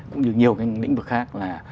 cũng như nhiều cái lĩnh vực khác là